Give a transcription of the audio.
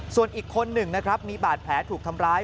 ส่วนอีกคนหนึ่งนะครับมีบาดแผลถูกทำร้าย